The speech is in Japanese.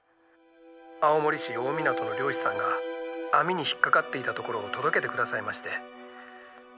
青森市大港の漁師さんが網に引っ掛かっていたところを届けてくださいまして。